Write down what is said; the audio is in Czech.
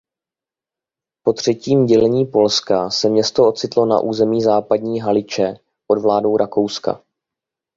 Po třetím dělení Polska se město ocitlo na území Západní Haliče pod vládou Rakouska.